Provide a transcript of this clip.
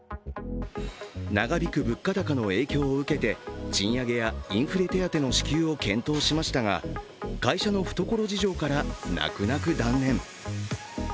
長引く物価高の影響を受けて賃上げやインフレ手当の支給を検討しましたが会社の懐事情から泣く泣く断念。